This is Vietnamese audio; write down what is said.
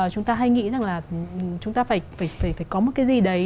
chúng ta hay nghĩ rằng là chúng ta phải có một cái gì đấy